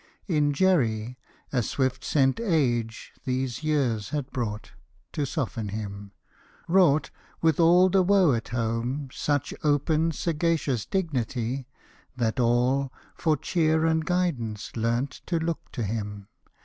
In Jerry a swift sent age these years had brought, To soften him, wrought with all the woe at home Such open, gracious dignity, that all For cheer and guidance learned to look to him.